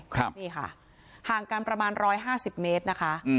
ครับนี่ค่ะห่างกันประมาณร้อยห้าสิบเมตรนะคะอืม